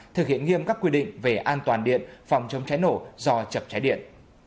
thực hiện nghiêm các quy định về an toàn điện phòng chống cháy nổ do chập cháy điện